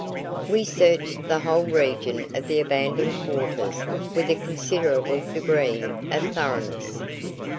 We searched the whole region of the abandoned quarters with a considerable degree of thoroughness.